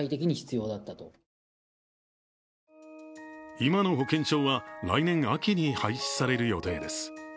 今の保険証は来年秋に廃止される予定です。